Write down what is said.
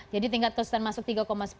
jadi tingkat kesulitan masuk tiga sepuluh